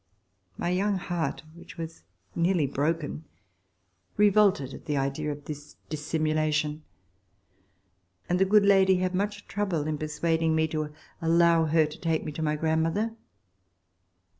My young heart, which was nearly broken, revolted at the idea of this dissimulation, and the good lady had much trouble in persuading me to allow her to take me to my grandmother.